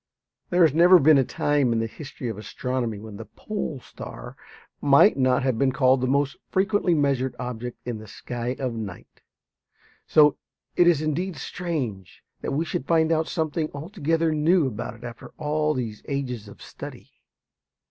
There has never been a time in the history of astronomy when the pole star might not have been called the most frequently measured object in the sky of night. So it is indeed strange that we should find out something altogether new about it after all these ages of study.